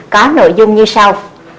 có nội dung như sau